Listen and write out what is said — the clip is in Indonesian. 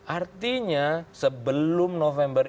artinya sebelum november